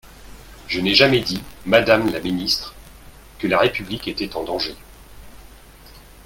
Je n’ai jamais dit, madame la ministre, que la République était en danger.